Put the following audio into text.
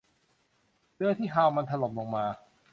เรือที่ฮัลล์มันถล่มลงมา